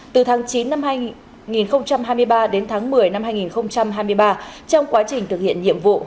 từ tháng chín năm hai nghìn hai mươi ba đến tháng một mươi năm hai nghìn hai mươi ba trong quá trình thực hiện nhiệm vụ